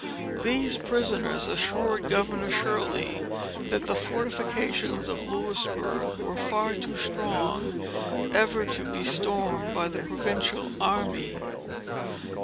These prisoners assured Governor Shirley, that the fortifications of Louisbourg were far too strong ever to be stormed by the provincial army.